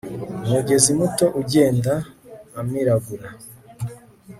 Umugezi muto ugenda amiragura